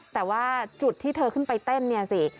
แต่ว่าจุดที่เธอขึ้นไปเต้นเนี่ยสิ